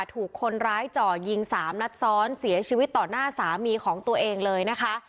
ถูกคนร้ายจ่อยิงสามนัดซ้อนเสียชีวิตต่อหน้าสามีของตัวเองเลยนะคะ